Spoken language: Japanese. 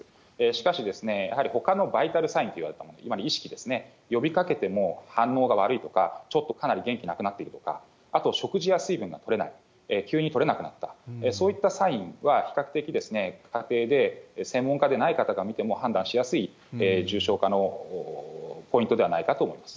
しかしほかのバイタルサインという、つまり意識ですね、呼びかけても反応が悪いとか、ちょっとかなり元気なくなってるとか、あと食事や水分をとれない、急に取れなくなった、そういったサインは、比較的家庭で専門家でない方が見ても判断しやすい重症化のポインなるほど。